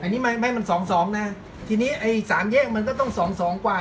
อันนี้ไม่มันสองสองนะทีนี้ไอ้สามแยกมันก็ต้องสองสองกว่า